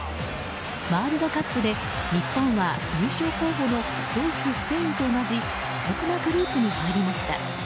ワールドカップで日本は優勝候補のドイツ、スペインと同じ過酷なグループに入りました。